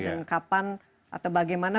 dan kapan atau bagaimana